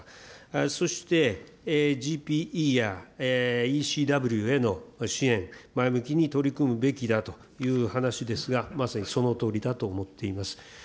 そして、ＧＰＥやＥＣＷへの支援、前向きに取り組むべきだという話でありますが、まさにそのとおりだと思っています。